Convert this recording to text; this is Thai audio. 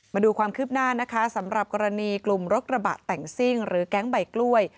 มาดูความคืบหน้านะคะสำหรับกรณีกลุ่มรถกระบะแต่งซิ่งหรือแก๊งใบกล้วย